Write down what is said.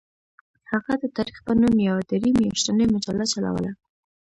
هغه د تاریخ په نوم یوه درې میاشتنۍ مجله چلوله.